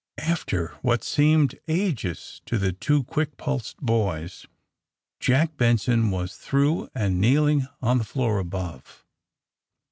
After what seemed ages to the two quick pulsed boys Jack Benson was through and kneel ing on the floor above.